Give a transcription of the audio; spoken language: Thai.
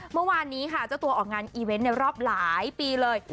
เมื่อวานนี้ค่ะเจ้าตัวออกงานอีเวนต์ในรอบหลายปีเลย